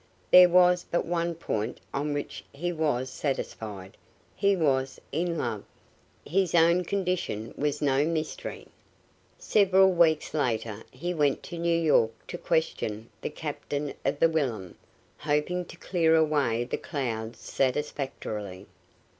There was but one point on which he was satisfied: he was in love. His own condition was no mystery. Several weeks later he went to New York to question the Captain of the Wilhelm, hoping to clear away the clouds satisfactorily.